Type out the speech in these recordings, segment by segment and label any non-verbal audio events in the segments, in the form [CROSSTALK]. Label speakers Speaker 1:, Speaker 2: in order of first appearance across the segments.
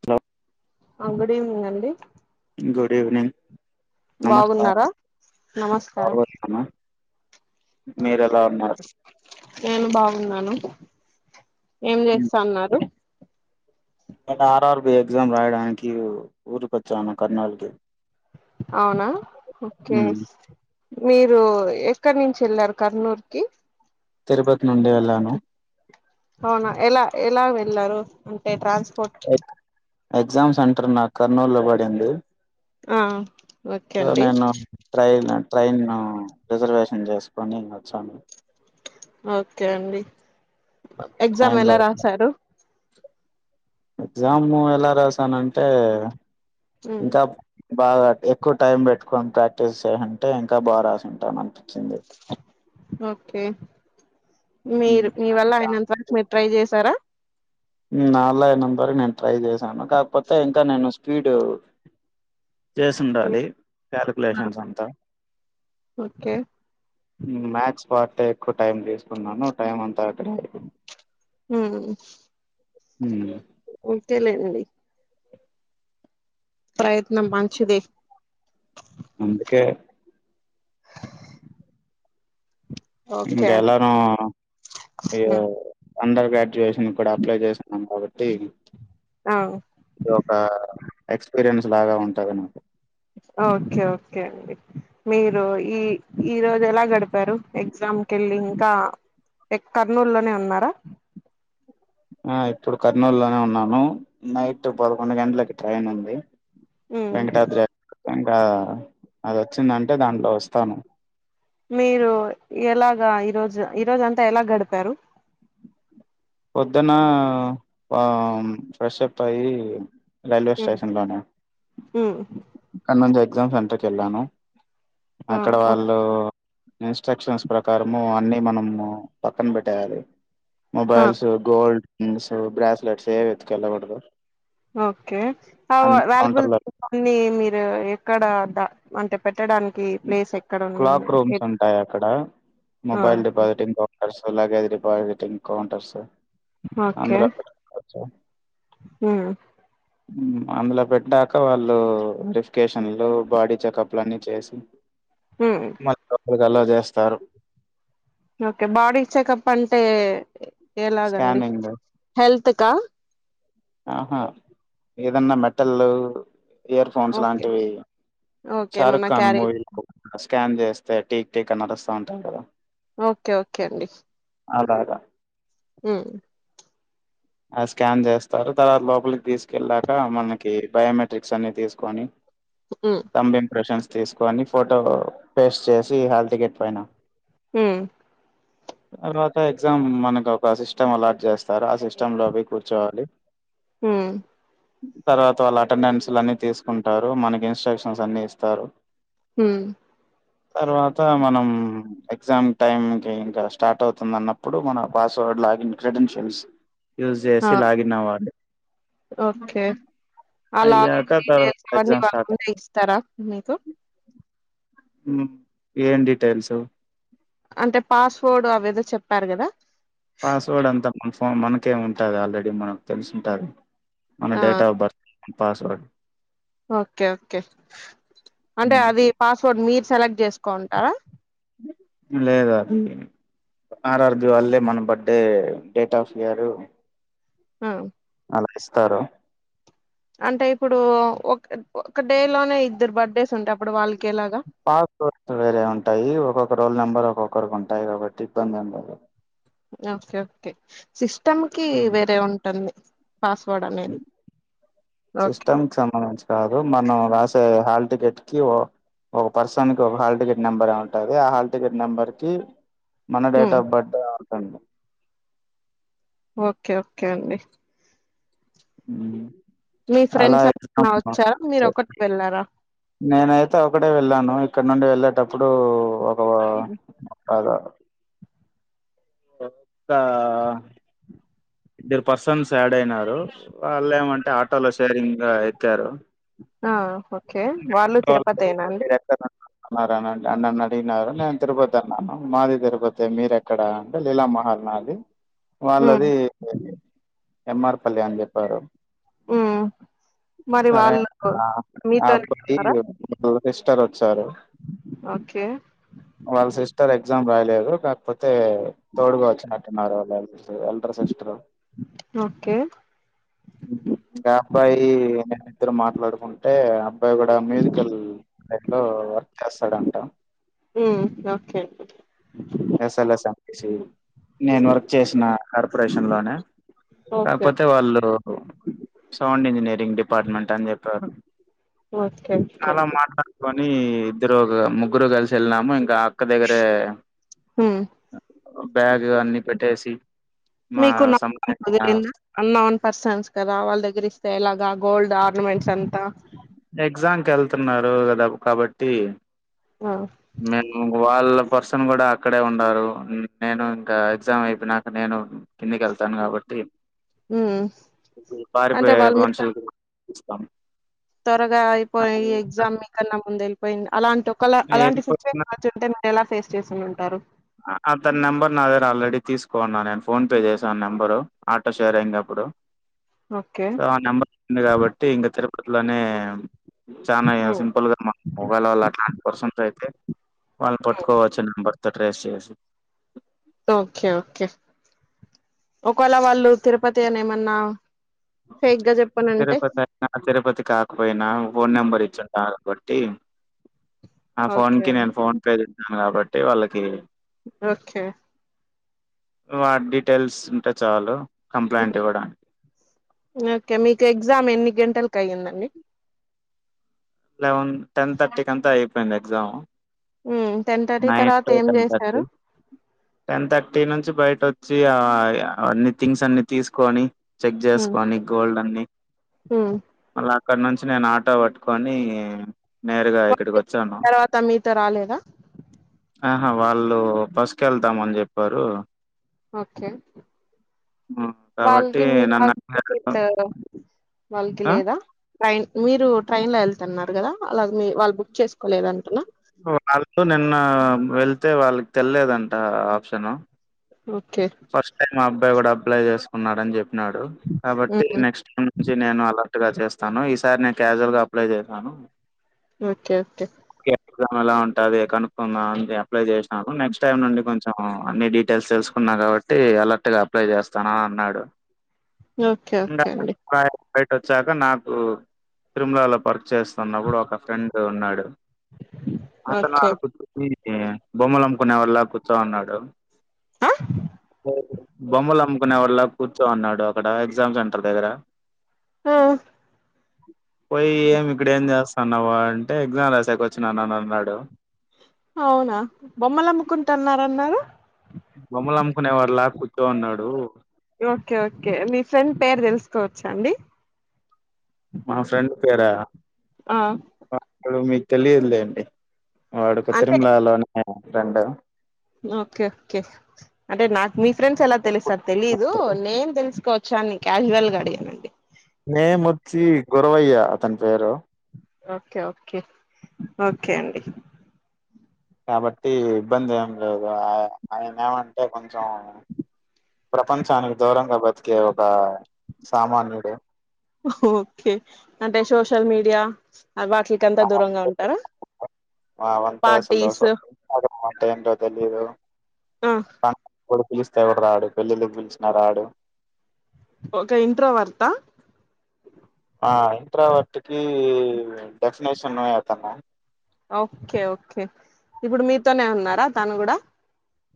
Speaker 1: Slow
Speaker 2: ఆ good evening అండి
Speaker 1: good evening నమస్కారం
Speaker 2: బాగున్నారా నమస్కారం
Speaker 1: మీరు ఎలా ఉన్నారు
Speaker 2: నేను బావున్నాను ఏం చేస్తాన్నారు
Speaker 1: నేను ఆర్ ఆర్ బి ఎగ్జామ్ రాయడానికి ఊరికొచ్చాను కర్నూలుకి
Speaker 2: అవునా ఓకే మీరు ఎక్కడి నుంచి వెళ్లారు కర్నూల్ కి
Speaker 1: తిరుపతి నుండి వెళ్ళాను
Speaker 2: అవునా ఎలా ఎలా వెళ్లారు అంటే ట్రాన్స్పోర్ట్
Speaker 1: ఎగ్జామ్ సెంటర్ నాకు కర్నూలు లో పడింది
Speaker 2: ఆ ఓకే
Speaker 1: సో
Speaker 2: అండి
Speaker 1: నేను ట్రైన్ ట్రైన్ రిజర్వేషన్ చేసుకొని వచ్చాను
Speaker 2: ఓకే అండి ఎక్సమ్
Speaker 1: ట్రైన్ లో
Speaker 2: ఎలా రాసారు
Speaker 1: ఎగ్జామ్ ఎలా రాసానంటే
Speaker 2: ఉమ్,
Speaker 1: ఇంకా బాగా ఎక్కువ టైం పెట్టుకని ప్రాక్టీస్ చేయంటే ఇంకా బాగా రాసుంటాను
Speaker 2: ఓకే
Speaker 1: ఉమ్,
Speaker 2: మీరు మీ వల్ల ఆయనంత వరకు మీరు ట్రై చేసారా
Speaker 1: నా వల్ల అయినందుకు నేను ట్రై చేశాను కాకపోతే ఇంకా నేను స్పీడ్ చేసి ఉండాలి కల్కులేషన్స్ అంతా
Speaker 2: ఓకే
Speaker 1: వాటికె ఎక్కువ టైం తీసుకున్నాను టైమ్ అంతా అక్కడ
Speaker 2: ఉమ్
Speaker 1: ఉమ్
Speaker 2: తెలీదండి పయత్నం మంచిది
Speaker 1: అందుకే
Speaker 2: ఓకే
Speaker 1: ఇంకా
Speaker 2: అండి
Speaker 1: ఎలానో అయో అండర్ గ్రాడ్యుయేషన్ కూడా అప్లై చేస్తున్నాం కాబట్టి ఇది
Speaker 2: ఆ
Speaker 1: ఒక ఎక్స్పీరియన్స్ లాగా ఉంటది నాకు
Speaker 2: ఆ ఓకే ఓకే అండి మీరు ఈ ఈ రోజు ఎలా గడిపారు ఎక్సమ్ కెళ్ళి ఇంకా కర్నూలు లోనే ఉన్నారా
Speaker 1: ఆ ఇప్పుడు కర్నూలు లోనే ఉన్నాను నైట్ పదకొండు గంటలకి ట్రైన్ ఉంది
Speaker 2: ఉమ్
Speaker 1: వెంకటాద్రి ఇంకా అది వచ్చిందంటే దాంట్లో వస్తాను
Speaker 2: మీరు ఎలాగా ఈరోజు ఈరోజ అంతా ఎలా గడిపారు
Speaker 1: పొద్దున ఆ ఫ్రెషప్ అయి రైల్వే
Speaker 2: ఉమ్
Speaker 1: స్టేషన్ లోనే
Speaker 2: ఉమ్
Speaker 1: కానీ ఎగ్జామ్ సెంటర్కి వెళ్ళాను
Speaker 2: ఆ
Speaker 1: అక్కడ
Speaker 2: ఓకే
Speaker 1: వాళ్ళు ఇన్స్ట్రక్షన్స్ ప్రకారము అన్ని మనము పక్కన పెట్టేయాలి
Speaker 2: ఆ
Speaker 1: మొబైల్స్ గోల్డ్స్ థింగ్స్ బ్రాస్లెట్స్ ఏవి ఎత్తికెళ్ళకూడదు
Speaker 2: ఆ ఓకే వ వాళ్లబ్లూ
Speaker 1: కౌంటర్లో
Speaker 2: థింగ్స్ అన్ని మీరు ఎక్కడ అంటే పెట్టడానికి ప్లేస్ ఎ
Speaker 1: క్లాక్ రూమ్స్ ఉంటాయి అక్కడ
Speaker 2: ఆ
Speaker 1: మొబైల్ డిపాజిటింగ్ కౌంటర్స్ ఎలాగా డిపాజిటింగ్ కౌంటర్స్
Speaker 2: ఓకే
Speaker 1: అందులో పెట్టుకోవాల్చు
Speaker 2: ఉమ్
Speaker 1: అందులో పెట్టాక వాళ్ళు వెరిఫికేషన్లు బాడీ చెకప్ అన్ని చేసి
Speaker 2: ఉమ్
Speaker 1: మధరికి గాలా చేస్తారు
Speaker 2: ఓకే బాడీ చెకప్ అంటే ఎలాగండి
Speaker 1: స్కానింగ్
Speaker 2: హెల్త్ క
Speaker 1: ఆహా ఏదన్నా మెటల్ ఇయర్ ఫోన్స్
Speaker 2: ఓకే
Speaker 1: లాంటివి
Speaker 2: ఓకే మన
Speaker 1: షారుక్ ఖాన్
Speaker 2: క్యారేజ్
Speaker 1: మూవీకు స్కాన్ చేస్తే టీక్ టీక్ అని అరుస్తా ఉంటాది కదా
Speaker 2: ఓకే ఓకే అండి
Speaker 1: అలాగ
Speaker 2: ఉమ్
Speaker 1: ఆ స్కాన్ చేస్తారు తర్వాత లోపలికి తీసుకెళ్ళాక మనకి బయమెట్రిక్స్ అన్ని తీసుకొని
Speaker 2: హ్మ్
Speaker 1: తంబ్ ఇంప్రెషన్స్ తీసుకొని ఫోటో పేస్ట్ చేసి హల్ టికెట్ పైన
Speaker 2: ఉమ్
Speaker 1: తర్వాత ఎగ్జామ్ మనకు ఒక సిస్టమ్ అలాట్ చేస్తారు ఆ సిస్ ష్టం లో పోయి కూర్చోవాలి
Speaker 2: ఉమ్
Speaker 1: తర్వాత వాళ్ళ అటెండెన్స్లు అన్ని తీసుకుంటారు మనకి ఇన్స్ట్రక్షన్స్ అన్ని ఇస్తారు
Speaker 2: ఉమ్
Speaker 1: తర్వాత మనం ఎగ్జామ్ టైం కి ఇంకా స్టార్ట్ అవుతుంది అన్నప్పుడు మన పాస్ వ కోడ్ లాగిన్ క్రెడెంషనల్స్ యూజ్
Speaker 2: ఆ!
Speaker 1: చేసి లాగిన్ అవ్వాలి
Speaker 2: ఓకే అ
Speaker 1: అయ్యాక
Speaker 2: లాగిన్
Speaker 1: తర్వాత
Speaker 2: డీటెయిల్స్ అవ్వన్నీ
Speaker 1: ఎగ్జామ్
Speaker 2: వాళ్ళ
Speaker 1: స్టార్ట్
Speaker 2: ముందే ఇస్తారా మీకు
Speaker 1: ఉమ్ ఏన్ డీటైల్స్
Speaker 2: అంటే పాస్వర్డ్ అ వేదో చెప్పారు కదా
Speaker 1: పాస్వర్డ్ అంతా మన ఫోన్ మనకే ఉంటాది ఆల్రెడీ మనకు తెలిసుంటాది మన
Speaker 2: ఆ!
Speaker 1: డేట్ ఆఫ్ బర్త్ మన పాస్వర్డ్
Speaker 2: ఓకే ఓకే అంటే
Speaker 1: హ్మ్.
Speaker 2: అది పాస్వర్డ్ మీర్ సెలెక్ట్ చేసుకోంటారా
Speaker 1: లేదద్ టి ఆర్ఆర్బి వాల్లె మన బడ్డే డేట్ ఆఫ్ ఇయరు
Speaker 2: ఆహ్
Speaker 1: అళ్లక్ ఇస్తారు
Speaker 2: అంటే ఇప్పుడు బేస్ ఉంటే అప్పుడు వాళ్
Speaker 1: పాస్స్ పోర్ట్ వేరే ఉంటాయి ఒకొక రోల్ నెంబర్ ఒకరుకు ఉంటాయి కాబట్టి ఇబ్బంది ఉండదు
Speaker 2: ఓకే ఓకే సిస్టమ్కి వేరే ఉంటుంది పాస్‌వర్డ్ అనేది. ఓకే.
Speaker 1: సిస్టమ్క్ సంబంధించి కాదు మనం రాసే హాల్ టికెట్ కివో ఒక పర్సన్ కి ఒక హాల్టికెట్ నెంబర్ ఎ ఉంటది ఆ హాల్టికెట్ నెంబర్ కి మన డేట్
Speaker 2: హ్మ్.
Speaker 1: ఆఫ బర్డే [UNINTELLIGIBLE]
Speaker 2: ఓకే ఓకే అండి
Speaker 1: ఉమ్
Speaker 2: మీ ఫ్రెండ్స్ అన్నా వచ్చారా మీరు ఒకటిక వెళ్ళారా
Speaker 1: నేనైతే ఒకటే వెళ్ళాను ఇక్కడ నుండి వెళ్ళేటప్పుడు కొత్త ఇద్దరు పర్సన్స్ యాడ్ అయినారు వాళ్ళు ఏమంటే ఆటో లో షేరింగ్ గా ఎక్కారు
Speaker 2: ఆ ఓకే వాళ్ళు తిరుపతేనా అండి
Speaker 1: అన్నారానండి అన్నను అడిగినారు నేను తిరుపతి అన్నాను మాది తిరుపతి మీర ఎక్కడ అంటే లీలా మహల్ నాది
Speaker 2: ఉమ్
Speaker 1: వాళ్ళది ఎమ్ఆర్ కళ్యాణ్ చెప్పారు
Speaker 2: ఉమ్ మరి
Speaker 1: సరే
Speaker 2: వాళ్ళు
Speaker 1: అ అ
Speaker 2: మీతోనే
Speaker 1: అప్పటికీ
Speaker 2: ఉన్నారా
Speaker 1: లోకేస్టర్ వచ్చారు
Speaker 2: ఓకే
Speaker 1: వాళ్ళ సిస్టర్ ఎగ్జా ఎగ్జామ్ రాయలేదు కాకపోతే తోడుగా వచ్చినట్టున్నారు వాళ్ళ ఎల్డర్ సిస్టర్
Speaker 2: ఓకే
Speaker 1: గంబాయ్యి మేమ్ ఇద్దరం మాట్లాడుకుంట్ అంటే అబ్బాయి కూడా మ్యూజికల్ నెట్ లో వర్క్ చేస్తాడంటా
Speaker 2: ఉమ్ ఓకే
Speaker 1: చేయి నేను వర్క్ చేసిన కార్పొరేషన్ లోనే
Speaker 2: ఓకే
Speaker 1: కాకపోతే వాళ్ళు సౌండ్ ఇంజనీరింగ్ డిపార్ట్మెంట్ అని చెప్పారు
Speaker 2: ఓకే ఓకే
Speaker 1: అలా మాట్లాడుకొని ఇద్దరు మ్ ముగ్గురు కలిసి వెళ్ళినాము ఇంకా ఒక్క దగ్గరే
Speaker 2: ఉమ్
Speaker 1: బ్యాగ్ అన్ని పెట్టేసి మా
Speaker 2: మీకు న
Speaker 1: సంబంధించిన
Speaker 2: [INAUDIBLE] అన్నోన్ పర్సన్స్ గ రవాళ్ళ దగ్గర ఇస్తే ఎలాగా గోల్డ్ అ ను మెన్షన్
Speaker 1: ఎగ్జామకెళ్తున్నారు కదా కాబట్టి
Speaker 2: ఆ
Speaker 1: మెన్ గు వాళ్ళ పర్సన్ గుడా అక్కడే ఉండారు నేను ఇంకా ఎగ్జామ్ అయిపోనాక నేను కిందికి ఏళ్తాను కాబట్టి
Speaker 2: ఉమ్
Speaker 1: ఇప్పుడు
Speaker 2: అంటే
Speaker 1: పారిపోయే మనుషులను చూసి ఇస్తాం
Speaker 2: తోరగా అయిపోయి ఎగ్జామ్ మీ కన్నా ముందు ఏళ్ళిపోయింద్ అలాంటి ఒక అలాంటి సిచువేషన్ వచ్చంటే ఎలా ఫేస్ చేసి ఉంటారు
Speaker 1: అతన్ నెంబర్ నా దగ్గర ఆల్రెడీ తీసుకోన్నా నేన్ ఫోన్ పే చేసాన్ నెంబరు ఆటో షేరింగ్ అప్పుడు
Speaker 2: ఓకే
Speaker 1: సో ఆ నెంబర్ ఉంది కాబట్టి ఇంగ తిరుపతిలోనే చానా
Speaker 2: ఉమ్
Speaker 1: సింపుల్ గా మొబైల్ వాళ్ళ అట్లాంట్ పర్సెంట్ అయితే వాల్ పట్టుకోవచ్చు నెంబర్తో ట్రేస్ చేసి
Speaker 2: ఓకే ఓకే ఒకవేళ వాళ్ళు తిరుపతి అని ఏమన్నా ఫేక్ గా చెప్పనంటే
Speaker 1: తిరుపతి అయినా తిరుపతి కాకపోయినా ఫోన్ నెంబర్ ఇచ్చుంటారు బట్టి ఆ ఫోన్
Speaker 2: ఓకే
Speaker 1: కి
Speaker 2: అండి.
Speaker 1: నేను ఫోన్ పే చేష్ణన్ కాబట్టి వాళ్ళకి
Speaker 2: ఓకే
Speaker 1: వా డీటెయిల్స్ ఉంటే చాలు కంప్లైంట్ ఇవ్వడనికి
Speaker 2: ఓకే మీకు ఎగ్జామ్ ఎన్ని గంటలకు అయ్యిందండి
Speaker 1: టెన్ థర్టీ కి అంతా అయిపోయింద్ ఎగ్జాము
Speaker 2: ఉమ్ టెన్ థర్టీ
Speaker 1: నైన్
Speaker 2: తర్వాత
Speaker 1: టు
Speaker 2: ఏం
Speaker 1: టెన్ తర్టీ
Speaker 2: చేశారు
Speaker 1: టెన్ తర్టీ నుంచి బయట ఇటోచి ఆ అన్ని తింగ్స్ అన్ని తీస్కొని చెక్ చేస్కొని గోల్డ్ అన్ని
Speaker 2: హ
Speaker 1: అక్కడ్ నుంచి నేన్ ఆటో వట్టుకొని నేరుగా ఇక్కడికి
Speaker 2: వాళ్ళు
Speaker 1: ఒచ్చాను
Speaker 2: తర్వాత మీతో రాలేదా
Speaker 1: ఆహా వాళ్ళు బస్కు ఏళ్తామని చెప్పారు
Speaker 2: ఓకే
Speaker 1: మ్ కాబట్టి
Speaker 2: వాళ్ళకి
Speaker 1: నను అక్కడ
Speaker 2: వాళ్లకి లేదా ఫైన్ మీరు ట్రైన్ లో ఏళ్తున్నారు కదా అలాగి మీ వాళ్ళు బుక్ చేసుకోలేదాంటానా
Speaker 1: వాళ్ళు నిన్న వెళ్తే వాళ్ళకి తేలేదంట ఆప్షను
Speaker 2: ఓకే
Speaker 1: ఫస్ట్ టైమ్ మా అబ్బాయి కూడా అప్లై చేసుకున్నడన్ చెప్పి న్నాడు కాబట్టి
Speaker 2: ఉమ్
Speaker 1: నెక్స్ట్ టైం నుంజి నేను అలా చేస్తాను ఈసారి నేను కజువల్ గా అప్లై చేసను
Speaker 2: ఓకే ఓకే
Speaker 1: ఎగ్జామ్ ఎలా ఉంటాది కనుకుందాం అని అప్లై జేశనను నెక్స్ట్ టైం నుండి కొంచెం అన్ని డీటెయిల్స్ తెల్స్ న్నా కాబట్టి అలెర్ట్ గా అప్లై చేస్తానన్ అన్నాడు
Speaker 2: ఓకే
Speaker 1: ఇంకా
Speaker 2: ఓకే అండి
Speaker 1: బయట వచ్చాక నాకు తిరుమలలో వర్క్ చేస్తున్నప్పుడు ఒక ఫ్రెండ్ ఉన్నాడు అతను
Speaker 2: ఓకే
Speaker 1: ఆడ కూర్చొని బొమ్మలు అమ్కునేవళ్ళ కూర్చోన్నాడు
Speaker 2: ఆ
Speaker 1: బొమ్మలు అమ్ముకునే వాళ్ళ కూర్చోఉన్నాడు అక్కడ ఎగ్జామ్ సెంటర్ దగ్గర
Speaker 2: ఆ
Speaker 1: పోయి ఏమి ఇక్కడ ఏం చేస్తున్నావు అంటే ఎగ్జామ్ రాసాక వచ్చినన్నని అన్నాడు
Speaker 2: అవునా బొమ్మలు అమ్ముకుంటన్నానరన్నారు
Speaker 1: బొమ్మల్ అమ్ముకునేవాడ్ లా కూర్చో ఉన్నాడు
Speaker 2: ఓకే ఓకే మీ ఫ్రెండ్ పేరు తెలుసుకోవచ్చా అండి
Speaker 1: మా ఫ్రెండ్ పేరా
Speaker 2: ఆ
Speaker 1: ఆ వాడు మీకు తెలియదులేండి వాడుక
Speaker 2: అంటే
Speaker 1: తిరుమలలోనే ఫ్రెండు
Speaker 2: ఓకే ఓకే అంటే నాకు మీ ఫ్రెండ్స్ ఎలా తెలుసార్ తెలీదు నేను తెలుసుకో న్ని క్యాజువల్గాడిగానండి
Speaker 1: నేమొచ్చి గురవయ్య అతని పేరు
Speaker 2: ఓకే ఓకే ఓకే అండి
Speaker 1: కాబట్టి ఇబ్బంది ఏం లేదు ఆ ఆయన ఏమంటే కొంచెం ప్రపంచానికి దూరంగా బతికే ఒక సామాన్యుడే
Speaker 2: ఓకే అంటే సోషల్ మీడియా వాట్లకంత దూరంగా ఉంటారా
Speaker 1: ఆ ఆవంతే
Speaker 2: పార్టీస్
Speaker 1: [UNINTELLIGIBLE] అంటే తెలిదు
Speaker 2: ఆ
Speaker 1: పిలిస్తే కూడా రాడు పెళ్ళిళ్ళకిపిలిచిన రాడు
Speaker 2: ఓకే ఇంట్రోవర్టా
Speaker 1: ఆ ఇంట్రావర్ట్కి డెఫినిషన్ ఏ అతను
Speaker 2: ఓక్కే ఓకే ఇప్పుడు మీతోనే ఉన్నారా తను కూడా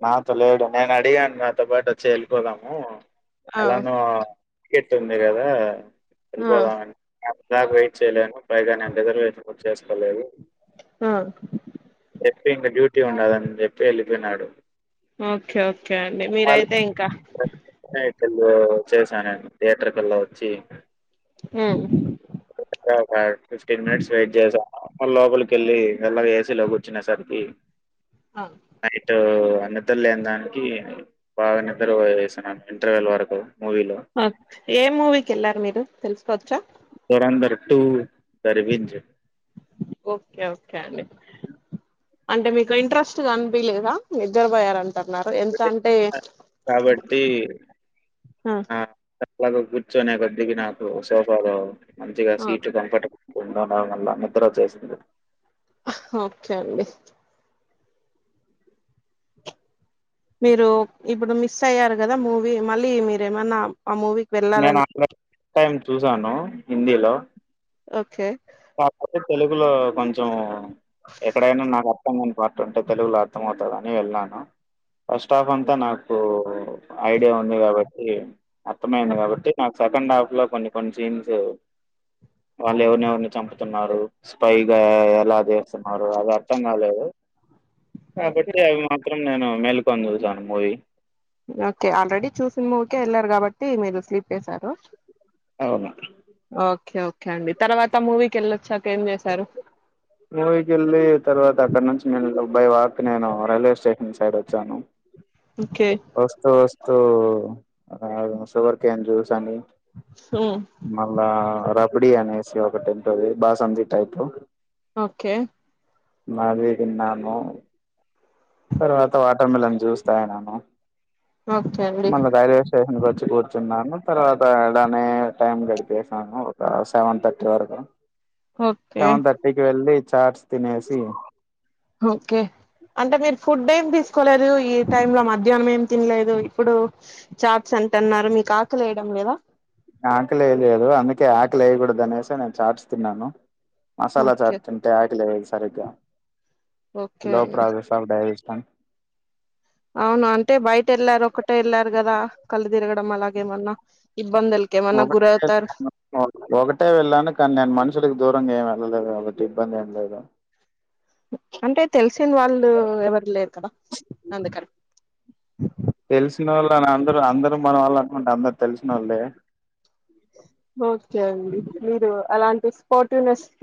Speaker 1: నాతో లేడు నేను అడిగాను నాతో పాటోచ్చి వెళ్ళిపోదాము
Speaker 2: ఆ
Speaker 1: ఎలాన టికెట్ ఉంది గదా
Speaker 2: ఆ
Speaker 1: ఎలిపోదా ఇలాగ వెయిట్ చేయలేను పైగా నేను రిజర్వేషన్ కూడా చే స్కోలేదు
Speaker 2: ఆ
Speaker 1: చెప్పి ఇంకా డ్యూటీ ఉండదని చెప్పి వెళ్ళిపోయినాడు
Speaker 2: ఓకే ఓకే అండి మీరైతే ఇంకా
Speaker 1: తెళ్ళ చేశా నేను థియేటర్ కిల్లా వచ్చి
Speaker 2: ఆహ్
Speaker 1: ఆ ఫిఫ్టీన్ మినిట్స్ వెయిట్ చేసాను లోపలికెళ్ళి మెల్లగా ఏసీ లోకి కూర్చునసరికి
Speaker 2: ఆ
Speaker 1: నైటు నిద్ర లేన దానికి బాగా నిద్ర ఓసన్నాను ఇంటర్వెల్ వరకు మూవీలో.
Speaker 2: ఏ మూవీకేళ్లారు మీరు తెలుసుకోచ్చా
Speaker 1: దురందర్ టూ బరిగిం
Speaker 2: ఓకే ఓకే అండి అంటే మీకు ఇంట్రెస్ట్ గా అనిపియలేదా నిద్దర్బోయారని
Speaker 1: కాబట్టి
Speaker 2: ఆ
Speaker 1: ఆహ్ అలాగ కూర్చొని కొద్దికి నాకు సోఫాలో మంచిగా
Speaker 2: ఆ
Speaker 1: సీటు కంఫర్టబుల్ తిన్నమల్ల నిద్రోచెసింది
Speaker 2: హా ఓకే అండి మీరు ఇప్పుడు మిస్ అయ్యారు గదా మూవీ మళ్ళీ మీరేమన్నా ఆ మూవీకి
Speaker 1: నేను
Speaker 2: వెళ్ళాలని
Speaker 1: [INAUDIBLE] టైం చూసాను హిందీలో
Speaker 2: ఓకే
Speaker 1: కాకపోతే తెలుగులో కొంచెం ఎక్కడైనా నాకు అర్థం కా పార్ట్ ఉంటే తెలుగులో అర్థం అవుతాది అని వెళ్ళను ఫస్ట్ ఆఫ్ అంతా నాకు ఐడియా ఉంది కాబట్టి అర్థమయ్యంది కాబట్టి నాకు సెకండ్ హాఫ్ లో కొన్ని కొన్ని సీన్స్ వాళ్ళు ఎవరిని ఎవరిని చంపుతున్నారు స్పైగా ఎలా చేస్తున్నారు అది అర్థం కాలేదు
Speaker 2: ఓకే
Speaker 1: కాబట్టి అవి మాత్రం నేను మేల్కొని చూసాను మూవీ
Speaker 2: ఓకే ఆల్రెడీ చూసిన మూవీకే వెళ్ళారు కాబట్టి మీరు స్లీప్ వేసారు
Speaker 1: అవును
Speaker 2: ఓకే ఓకే అండి తర్వాత మూవీకి వెళ్ళొచ్చాక ఏం చేశారు
Speaker 1: మూవికేళ్లి తర్వాత అక్కడ నుంచి మ బై వాక్ నేను రైల్వే స్టేషన్ సైడోచ్చాను
Speaker 2: ఓకే
Speaker 1: వస్తూ వస్తూ షుగర్ క్యాన్ జ్యూస్ అని
Speaker 2: ఉమ్
Speaker 1: మళ్ళా అప్పుడే అనేసి ఒక temple Basanti type
Speaker 2: okay
Speaker 1: Maggi తిన్నాను తర్వాత వాటర్ మిలన్ జుస్ తాగిన్నాను
Speaker 2: ఓకే అండి
Speaker 1: మళ్ళా రైల్వేస్టెషన్ కోచ్చి కూర్చున్నారు తర్వాత ఇడనే టైమ్ గడిపేసాము ఒక సెవెన్ థర్టీ వరకు
Speaker 2: ఓకే
Speaker 1: సెవెన్ థర్టీకి వెళ్ళి చార్స్
Speaker 2: ఓకే అంటే మీరు ఫుడ్ ఏం తీ తీసుకోలేరు ఈ టైమ్ లో మధ్యాహ్నం ఏం తినలేదు ఇప్పుడు చార్ట్స్ అంటున్నారు మీకు ఆకలెయడం లెవా
Speaker 1: ఆకలి ఎయలేదు అందుకే ఆకలేయగుడదు అనేసే నేను చాట్స్ తిన్నాను మసాలా
Speaker 2: ఓకే
Speaker 1: చాట్ తింటే ఆకలియదు సరిగ్గా
Speaker 2: ఓకే అండి
Speaker 1: లోపల ఆఫ్ డైజెస్న్ షన్
Speaker 2: అవునా అంటే బయటేళ్ళారు ఒక్కటే వెళ్ళారు కదా కళ్ళు తిరగడం అలాగేమన్నా ఇం
Speaker 1: ఒకటె వెళ్ళను ఒకటే వెళ్ళాను కానీ నేను మనుషుకి దూరంగా ఏం వెళ్ళలేదు కాబ ఇబ్బంది ఎం లేదు
Speaker 2: అంటే తెలిసిన వాళ్ళు ఎవరు లేరు కదా అందుకనీ
Speaker 1: తెలిసిన వాళ్ళు అని అందరూ అందరు మన వాళ్ళు అనుకుంటే అందరు తెలిసినవొళ్ళే
Speaker 2: ఓకే అండి మీరు అలాంటి స్పాటివ్నెస్